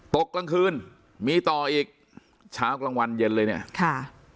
กลางคืนมีต่ออีกเช้ากลางวันเย็นเลยเนี่ยค่ะ